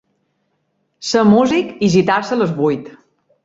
Ser músic i gitar-se a les vuit.